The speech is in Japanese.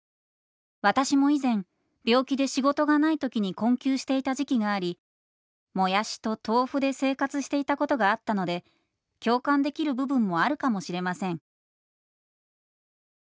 私も以前病気で仕事がないときに困窮していた時期がありもやしと豆腐で生活していたことがあったので共感できる部分もあるかもしれません」。